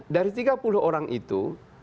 dari tiga puluh orang itu